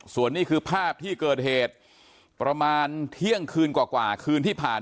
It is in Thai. ส่วนนี้คือภาพที่เกิดเหตุประมาณเที่ยงคืนกว่าคืนที่ผ่าน